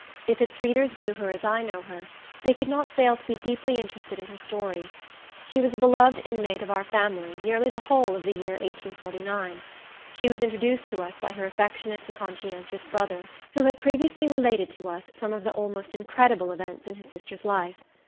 If its readers knew her as I know her, they could not fail to be deeply interested in her story. She was a beloved inmate of our family nearly the whole of the year 1849. She was introduced to us by her affectionate and conscientious brother, who had previously related to us some of the almost incredible events in his sister's life.